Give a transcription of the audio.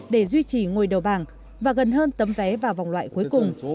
để duy trì ngồi đầu bảng và gần hơn tấm vé vào vòng loại cuối cùng